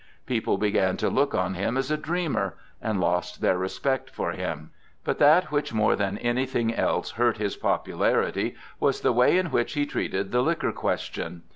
People began to look on him as a dreamer, and lost their respect for him. But that which more than anything else hurt his popularity was the way in which he treated the liquor question.